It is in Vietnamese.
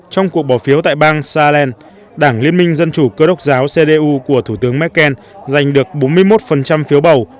trong cuộc bỏ phiếu tại bang salen đảng liên minh dân chủ cơ đốc giáo cdu của thủ tướng merkel giành được bốn mươi một phiếu bầu